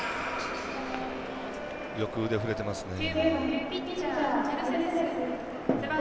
よく腕、振れてますね。